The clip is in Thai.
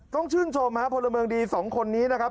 ต้องชื่นชมฮะพลเมืองดีสองคนนี้นะครับ